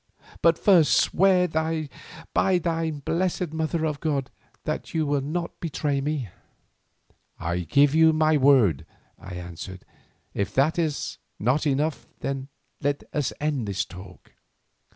But first swear by thine blessed Mother of God that you will not betray me." "I give you my word," I answered; "if that is not enough, let us end this talk."